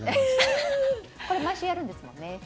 これ毎週やるんですよね。